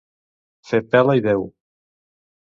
Fer pela i deu.